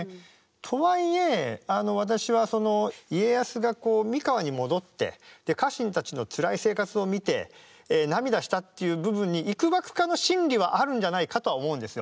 とはいえ私はその家康が三河に戻ってで家臣たちのつらい生活を見て涙したっていう部分にいくばくかの真理はあるんじゃないかとは思うんですよ。